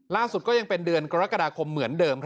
ล่าสุดก็ยังเป็นเดือนกรกฎาคมเหมือนเดิม